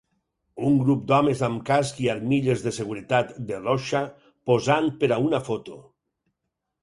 Un grup d'homes amb casc i armilles de seguretat de l'OSHA posant per a una foto.